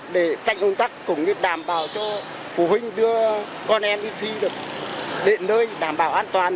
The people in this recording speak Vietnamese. để tranh ồn tắc cũng như đảm bảo cho phụ huynh đưa con em đi thi được đến nơi đảm bảo an toàn